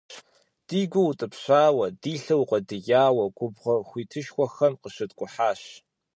Ди гур утӀыпщауэ, ди лъэр укъуэдияуэ губгъуэ хуитышхуэхэм къыщыткӀухьащ.